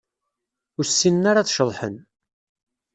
Ur ssinen ara ad ceḍḥen.